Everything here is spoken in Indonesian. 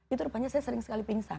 itu rupanya saya sering sekali pingsan